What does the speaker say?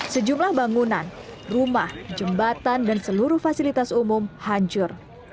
sejumlah bangunan rumah jembatan dan seluruh fasilitas umum hancur